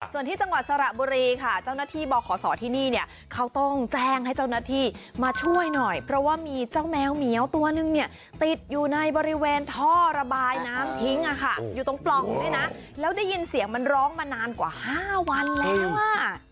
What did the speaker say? ส่วนที่จังหวัดสระบุรีค่ะเจ้าหน้าที่บขศที่นี่เนี่ยเขาต้องแจ้งให้เจ้าหน้าที่มาช่วยหน่อยเพราะว่ามีเจ้าแมวเหมียวตัวนึงเนี่ยติดอยู่ในบริเวณท่อระบายน้ำทิ้งอ่ะค่ะอยู่ตรงปล่องด้วยนะแล้วได้ยินเสียงมันร้องมานานกว่า๕วันแล้วอ่ะ